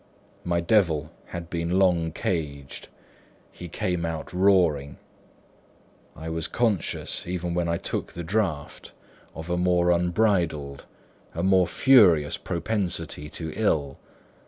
My devil had been long caged, he came out roaring. I was conscious, even when I took the draught, of a more unbridled, a more furious propensity to ill.